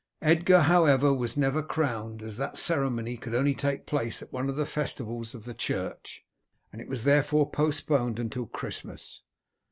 Edgar, however, was never crowned, as that ceremony could only take place at one of the festivals of the church, and it was therefore postponed until Christmas.